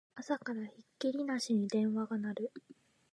朝からひっきりなしに電話が鳴る